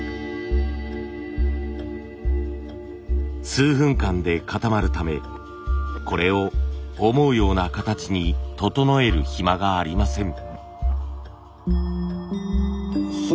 数分間で固まるためこれを思うような形に整える暇がありません。